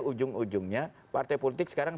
ujung ujungnya partai politik sekarang